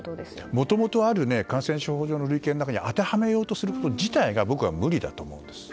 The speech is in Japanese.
もともとある感染症法上の類型にあてはめようとすること自体が僕は無理だと思うんです。